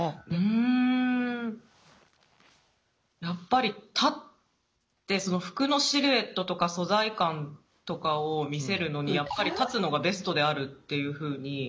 やっぱり立って服のシルエットとか素材感とかを見せるのにやっぱり立つのがベストであるっていうふうに。